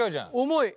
重い。